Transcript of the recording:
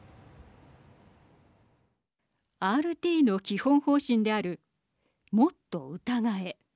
ＲＴの基本方針であるもっと疑え。